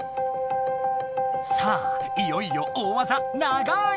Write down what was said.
さあいよいよ大わざ長い